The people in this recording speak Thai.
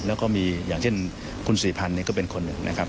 แล้วก็มีอย่างเช่นคุณสิริพันธ์ก็เป็นคนหนึ่งนะครับ